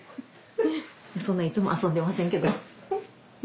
そんないつも遊んでませんけど。